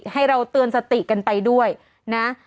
ให้เราเตือนสติกันไปด้วยนะ